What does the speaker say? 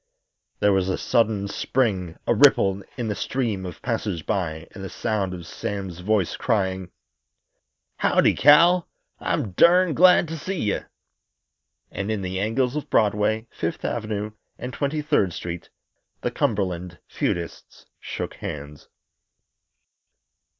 There was a sudden spring, a ripple in the stream of passers by and the sound of Sam's voice crying: "Howdy, Cal! I'm durned glad to see ye." And in the angles of Broadway, Fifth Avenue and Twenty third Street the Cumberland feudists shook hands.